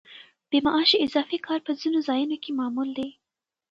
بې معاشه اضافي کار په ځینو ځایونو کې معمول دی.